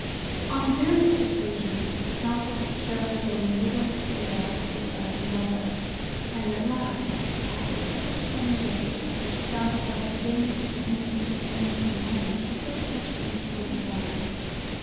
On various occasions the countess showed some little curiosity about the lover; and at last, after about ten days, when she found herself beginning to be intimate with her new companion, she put the question point blank.